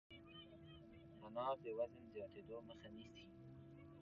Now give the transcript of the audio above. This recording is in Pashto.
انار د وزن زیاتېدو مخه نیسي.